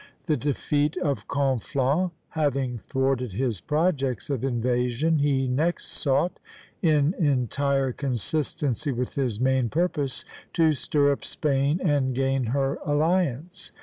The defeat of Conflans having thwarted his projects of invasion, he next sought, in entire consistency with his main purpose, to stir up Spain and gain her alliance.